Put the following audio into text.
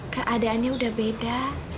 keadaannya sudah beda